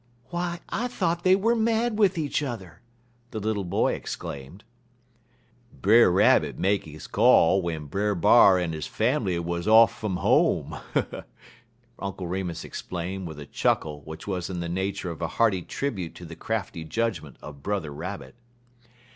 "Why, I thought they were mad with each other," the little boy exclaimed. "Brer Rabbit make he call w'en Brer B'ar en his fambly wuz off fum home," Uncle Remus explained, with a chuckle which was in the nature of a hearty tribute to the crafty judgment of Brother Rabbit.